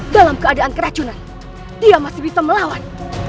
dalam keadaan keracunan dia masih bisa melawan